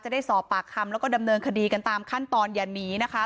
ได้สอบปากคำแล้วก็ดำเนินคดีกันตามขั้นตอนอย่าหนีนะคะ